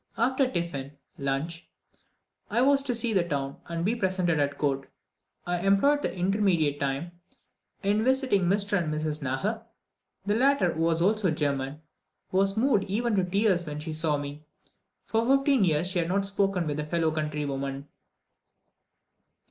After tiffen (lunch) I was to see the town, and be presented at court. I employed the intermediate time in visiting Mr. and Mrs. Naher. The latter, who was also a German, was moved even to tears when she saw me: for fifteen years she had not spoken with a fellow countrywoman.